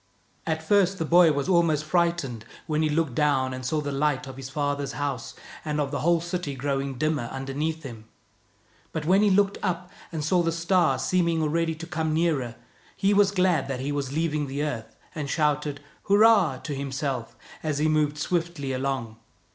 At first the boy was almost frightened, when he looked down and saw the lights of his father's house and of the whole city growing dimmer underneath him; but when he looked up, and saw the star seeming already to come nearer, he was glad that he was leaving the earth, and shouted " Hurrah! " to himself, as he moved swiftly along.